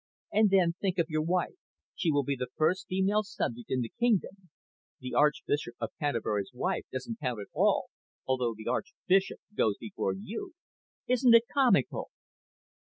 And then, think of your wife, she will be the first female subject in the kingdom. The Archbishop of Canterbury's wife doesn't count at all, although the Archbishop goes before you. Isn't it comical?"